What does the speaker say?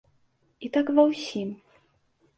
І так ва ўсім.